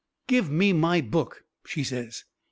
"Give me my book," she says.